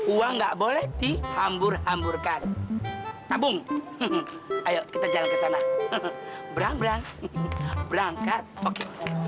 uang nggak boleh dihambur hamburkan tabung ayo kita jalan ke sana berang berang berangkat oke